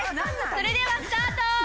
それではスタート！